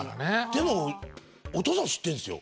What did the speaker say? でもお父さん知ってるんですよ。